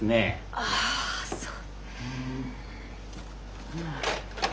ああそう。